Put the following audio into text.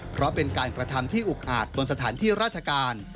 เพราะเป็นการกระทำที่อุกอาจบนสถานที่ราชการ